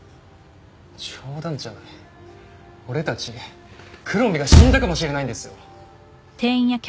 冗談じゃない俺たち黒目が死んだかもしれないんですよ